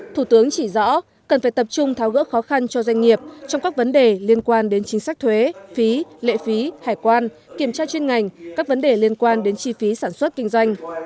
thủ tướng chỉ rõ cần phải tập trung tháo gỡ khó khăn cho doanh nghiệp trong các vấn đề liên quan đến chính sách thuế phí lệ phí hải quan kiểm tra chuyên ngành các vấn đề liên quan đến chi phí sản xuất kinh doanh